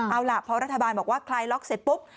เอาล่ะพอรัฐบาลบอกว่าคลายล็อกเสร็จปุ๊บ